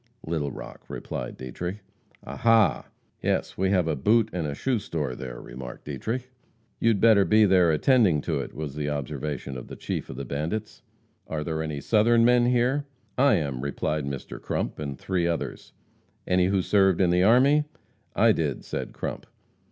"Little Rock," replied Dietrich. "Ah, ha!" "Yes, have a boot and shoe store there," remarked Dietrich. "You'd better be there attending to it," was the observation of the chief of the bandits. "Are there any Southern men here?" "I am," replied Mr. Crump and three others. "Any who served in the army?" "I did," said Crump.